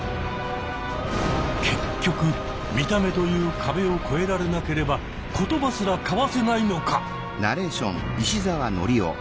結局見た目という壁を越えられなければ言葉すら交わせないのか。